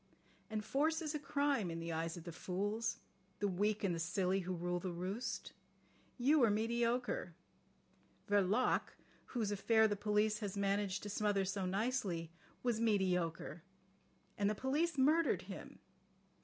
And force is a crime in the eyes of the fools, the weak and the silly who rule the roost. You are mediocre. Verloc, whose affair the police has managed to smother so nicely, was mediocre. And the police murdered him.